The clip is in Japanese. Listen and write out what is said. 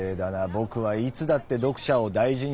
僕はいつだって読者を大事にしているよ。